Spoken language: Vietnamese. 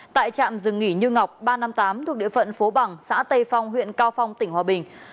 tại trạm rừng nghỉ như ngọc ba trăm năm mươi tám thuộc địa phận phố bằng xã tây phong huyện cao phong tỉnh hòa bình